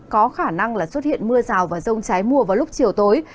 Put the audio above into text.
có khả năng là xuất hiện mưa rào và rông trái mùa vào lúc chiều tối